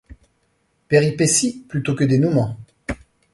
Péripétie plutôt que dénoûment